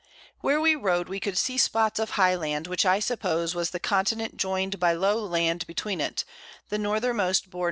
Where we rode we could see Spots of high Land, which I suppose was the Continent join'd by low Land between it; the Northermost bore N.